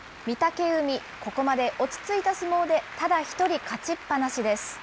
御嶽海、ここまで落ち着いた相撲で、ただ一人、勝ちっ放しです。